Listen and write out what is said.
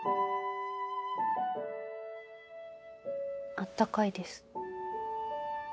あったかいです。